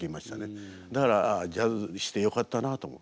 だからああジャズしてよかったなと思う。